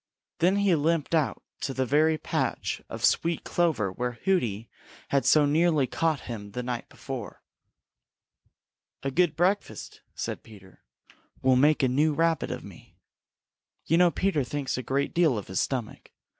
Then he limped out to the very patch of sweet clover where Hooty had so nearly caught him the night before. "A good breakfast," said Peter, "will make a new Rabbit of me." You know Peter thinks a great deal of his stomach.